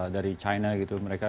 dari china gitu mereka